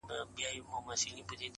عاقبت یې په کوهي کي سر خوړلی!!